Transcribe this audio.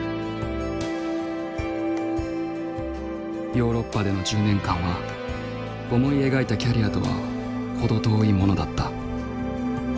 ヨーロッパでの１０年間は思い描いたキャリアとは程遠いものだった。